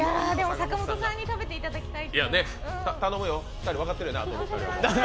坂本さんに食べていただきたいな。